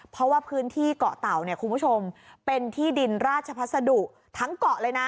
เพราะว่าพื้นที่เกาะเต่าเนี่ยคุณผู้ชมเป็นที่ดินราชพัสดุทั้งเกาะเลยนะ